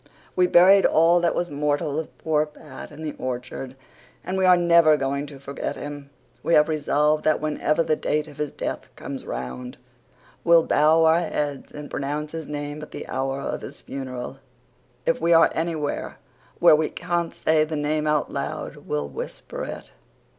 We buried all that was mortal of poor Pat in the orchard and we are never going to forget him. We have resolved that whenever the date of his death comes round we'll bow our heads and pronounce his name at the hour of his funeral. If we are anywhere where we can't say the name out loud we'll whisper it.